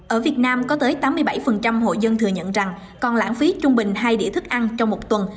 ở việt nam có tới tám mươi bảy hội dân thừa nhận rằng còn lãng phí trung bình hai đĩa thức ăn trong một tuần